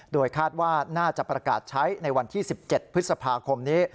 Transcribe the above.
โดยคาดว่าน่าจะประกาศใช้ในวันที่๑๗พฤษภาคมนี้